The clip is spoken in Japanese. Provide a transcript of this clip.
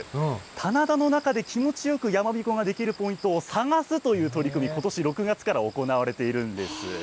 棚田の中で気持ちよくやまびこができるポイントを探すという取り組み、ことし６月から行われているんです。